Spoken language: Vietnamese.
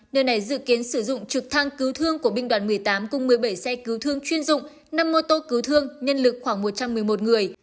nơi này dự kiến sử dụng trực thăng cứu thương của binh đoàn một mươi tám cùng một mươi bảy xe cứu thương chuyên dụng năm mô tô cứu thương nhân lực khoảng một trăm một mươi một người